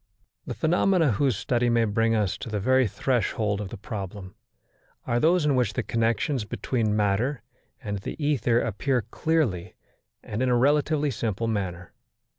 The phenomena whose study may bring us to the very threshold of the problem, are those in which the connections between matter and the ether appear clearly and in a relatively simple manner.